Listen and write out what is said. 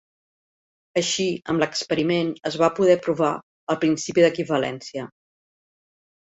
Així, amb l'experiment es va poder provar el principi d'equivalència.